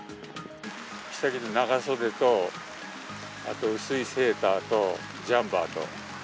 下着と長袖と、あと薄いセーターとジャンパーと。